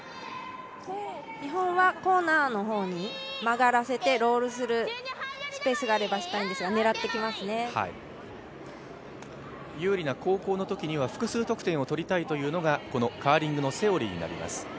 日本はコーナーの方に曲がらせてロールするスペースがあればしたいんですが、有利な後攻のときには複数得点を取りたいというのがこのカーリングのセオリーになります。